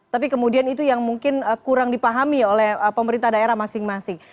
tapi kemudian itu yang mungkin kurang dipahami oleh pemerintah daerah masing masing